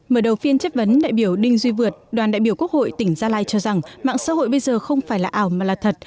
mở đầu phiên chất vấn đại biểu đinh duy vượt đoàn đại biểu quốc hội tỉnh gia lai cho rằng mạng xã hội bây giờ không phải là ảo mà là thật